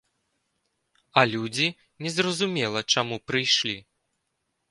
А людзі не зразумела чаму прыйшлі.